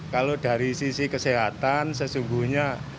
kalau dari sisi kesehatan sesungguhnya